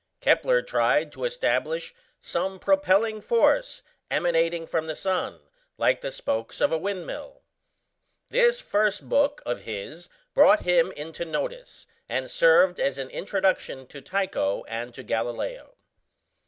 Kepler tried to establish some propelling force emanating from the sun, like the spokes of a windmill. This first book of his brought him into notice, and served as an introduction to Tycho and to Galileo.